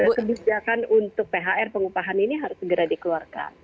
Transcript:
dan kebijakan untuk phr pengupahan ini harus segera dikeluarkan